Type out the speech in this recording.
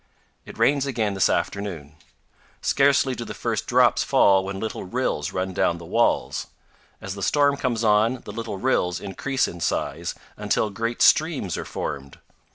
It rains again this afternoon. Scarcely do the first drops fall when little rills run down the walls. As the storm comes on, the little rills increase in size, until great streams are formed.